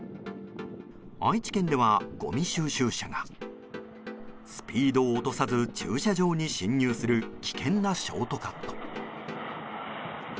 愛知県ではごみ収集車がスピードを落とさず駐車場に進入する危険なショートカット。